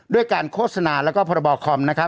ด้วยการโฆษณาแล้วก็พรบคอมนะครับ